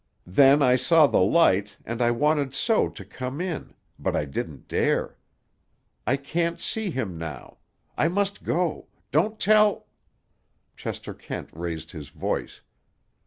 Then I saw the light, and I wanted so to come in; but I didn't dare. I can't see him now! I must go! Don't tell—" Chester Kent raised his voice.